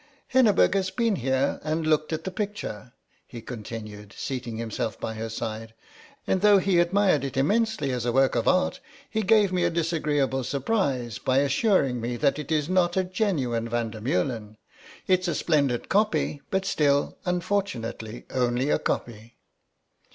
"Henneberg has been here and looked at the picture," he continued, seating himself by her side, "and though he admired it immensely as a work of art he gave me a disagreeable surprise by assuring me that it's not a genuine Van der Meulen. It's a splendid copy, but still, unfortunately, only a copy."